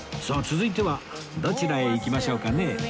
続いてはどちらへ行きましょうかね？